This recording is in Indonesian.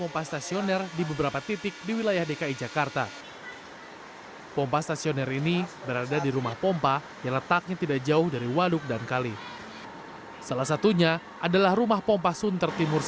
pemerintah provinsi dki jakarta sudah menyiapkan pompa stasioner